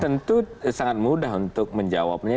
tentu sangat mudah untuk menjawabnya